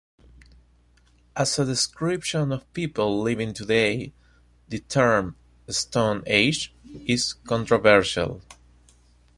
As a description of people living today, the term "stone age" is controversial.